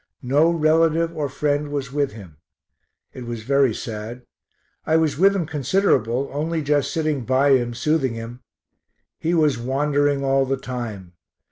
No relative or friend was with him. It was very sad. I was with him considerable, only just sitting by him soothing him. He was wandering all the time.